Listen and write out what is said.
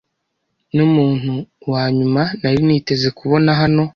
Numuntu wanyuma nari niteze kubona hano.